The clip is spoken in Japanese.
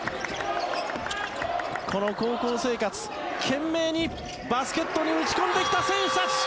この高校生活、懸命にバスケットに打ち込んできた選手たち！